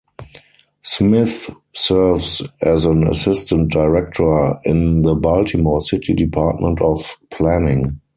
Smith serves as an Assistant Director in the Baltimore City Department of Planning.